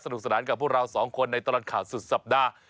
สนานกับพวกเราสองคนในตลอดข่าวสุดสัปดาห์